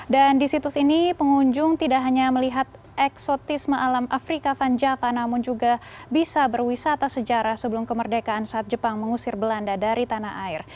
dan di situs ini pengunjung tidak hanya melihat eksotisme alam afrika fanjaka namun juga bisa berwisata sejarah sebelum kemerdekaan saat jepang mengusir belanda dari tanah air